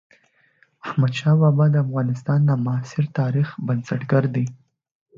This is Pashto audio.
احمد شاه بابا د افغانستان د معاصر تاريخ بنسټ ګر دئ.